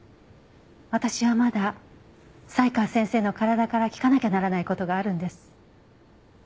私はまだ才川先生の体から聞かなきゃならない事があるんです。